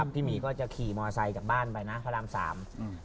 พี่หมีก็จะขี่มอไซค์จากบ้านไปนะพระรามสามอืม